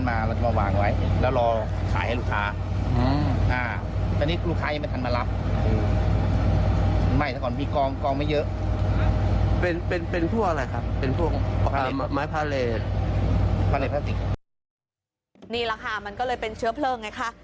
นี่แหละค่ะมันก็เลยเป็นเชื้อเพลิงไงคะ